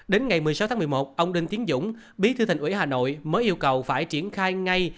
đến ngày một mươi sáu tháng một mươi một ông đinh tiến dũng bí thư thành ủy hà nội mới yêu cầu phải triển khai ngay